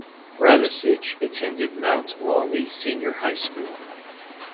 Radisich attended Mount Lawley Senior High School.